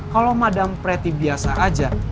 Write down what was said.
kalau madam preti biasa aja